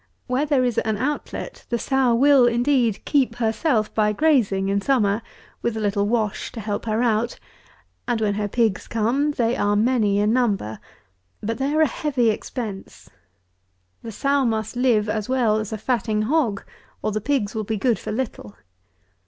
Where there is an outlet, the sow will, indeed, keep herself by grazing in summer, with a little wash to help her out: and when her pigs come, they are many in number; but they are a heavy expense. The sow must live as well as a fatting hog, or the pigs will be good for little.